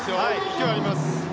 勢いがあります。